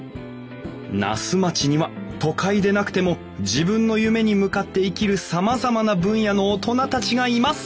「那須町には都会でなくても自分の夢に向かって生きるさまざまな分野の大人たちがいます」。